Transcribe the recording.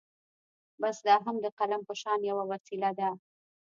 بس دا هم د قلم په شان يوه وسيله ده.